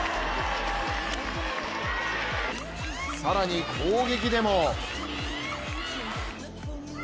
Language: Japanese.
さらに攻撃でも！